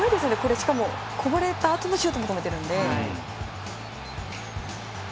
しかも、こぼれたあとのシュートも止めているので。